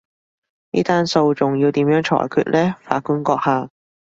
呢單訴訟要點樣裁決呢，法官閣下？